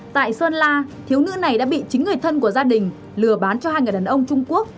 tại sơn la thiếu nữ này đã bị chính người thân của gia đình lừa bán cho hai người đàn ông trung quốc